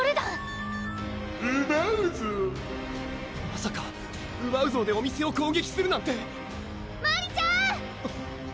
まさかウバウゾーでお店を攻撃するなんてマリちゃん！